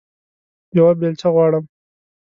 یوه بیلچه غواړم